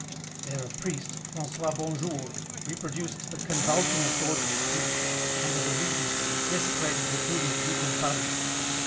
There a priest, François Bonjour, reproduced the 'convulsionist' orgies which, under the Regency, desecrated the tomb of Deacon Paris.